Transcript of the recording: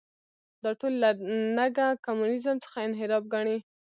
دا ټول له نګه کمونیزم څخه انحراف ګڼي.